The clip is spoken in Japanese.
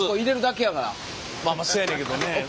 まあまあせやねんけどね。